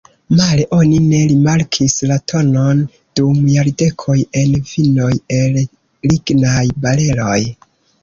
Male oni ne rimarkis la tonon dum jardekoj en vinoj el lignaj bareloj.